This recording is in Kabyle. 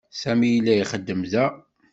Sami yella ixeddem da.